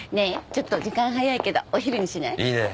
ちょっと時間早いけどお昼にしない？いいね。